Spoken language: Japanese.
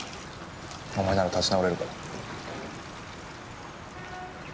お前なら立ち直れるから。